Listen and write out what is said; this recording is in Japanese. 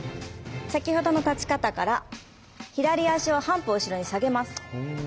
先ほどの立ち方から左足を半歩後ろに下げます。